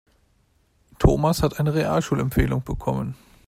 Thomas hat eine Realschulempfehlung bekommen.